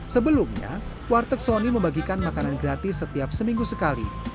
sebelumnya warteg soni membagikan makanan gratis setiap seminggu sekali